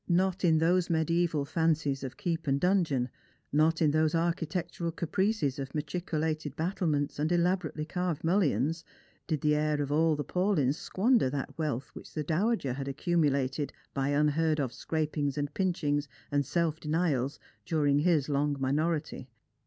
Not in those mediaeval fancies of keep and donjon, not in those architectural caprices of machicolated battlements and elabo rately cai'ved mullions, did the heir of all the Paulyns squander that wealth which the dowager had accumulated by unheard of scrapings and pinchings anfl. self denials during his long minority.